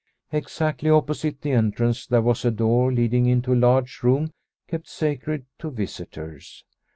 Exactly opposite the entrance there was a door leading into a large room kept sacred to visitors.